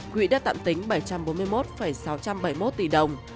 quỹ đã tạm tính bảy trăm bốn mươi một sáu trăm bảy mươi một tỷ đồng